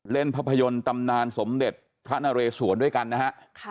เล่นภาพยนตร์ตำนานสมเด็จพระนเรสวนด้วยกันนะฮะ